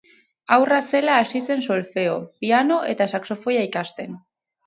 Haurra zela hasi zen solfeo, pianoa eta saxofoia ikasten.